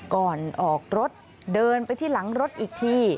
ก่อนออกรถเดินไปที่หลังรถอีกที